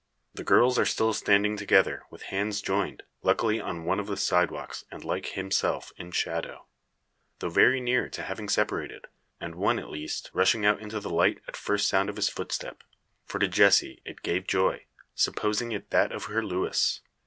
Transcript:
The girls are still standing together, with hands joined luckily on one of the side walks, and like himself in shadow though very near to having separated, and one, at least, rushing out into the light at first sound of his footstep. For to Jessie it gave joy, supposing it that of her Luis.